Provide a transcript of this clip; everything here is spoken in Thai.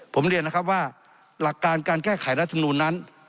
ผมเรียนนะครับว่าหลักการการแก้ไขรัฐมนูลนั้น